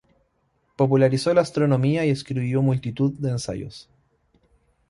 Popularizó la astronomía y escribió multitud de ensayos.